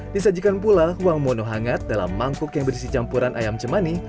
disajikan pula wang mono hangat dalam mangkuk yang berisi campuran ayam cemani